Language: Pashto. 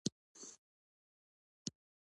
ښه زده کوونکی څوک دی؟